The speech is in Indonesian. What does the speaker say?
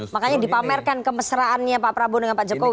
makanya dipamerkan kemesraannya pak prabowo dengan pak jokowi